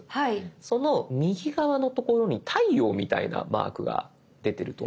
その右側の所に太陽みたいなマークが出てると思います。